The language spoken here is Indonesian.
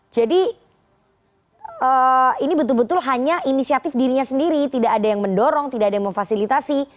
jadi ini betul betul hanya inisiatif dirinya sendiri tidak ada yang mendorong tidak ada yang memfasilitasi